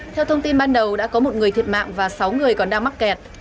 theo thông tin ban đầu đã có một người thiệt mạng và sáu người còn đang mắc kẹt